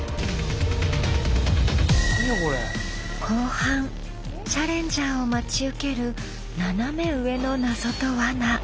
後半チャレンジャーを待ち受ける斜め上の謎とワナ。